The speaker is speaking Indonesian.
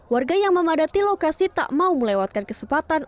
warga yang memadati lokasi tak mau melewatkan kesempatan